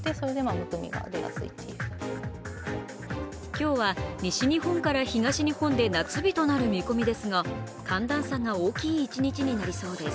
今日は西日本から東日本で夏日となる見込みですが、寒暖差が大きい一日となりそうです。